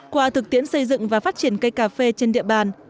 qua thực tiễn xây dựng và phát triển cây cà phê trên địa bàn